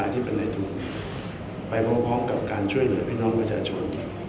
ที่เป็นในทุนไปพร้อมกับการช่วยเหลือพี่น้องประชาชน